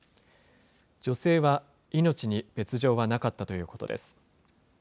女性は命に別状はなかったということです。